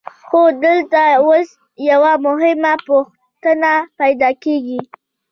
خو دلته اوس یوه مهمه پوښتنه پیدا کېږي